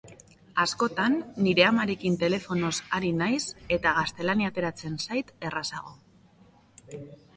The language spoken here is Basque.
Askotan, nire amarekin telefonoz ari naiz eta gaztelania ateratzen zait errazago.